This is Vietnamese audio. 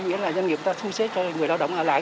nghĩa là doanh nghiệp ta thu xếp cho người lao động ở lại